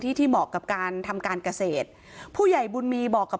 ที่ที่เหมาะกับการทำการเกษตรผู้ใหญ่บุญมีบอกกับ